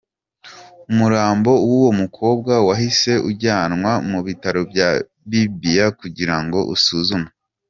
Umurambo w’uwo mukobwa wahise ujyanwa mu bitaro bya Bibia kugirango usuzumwe.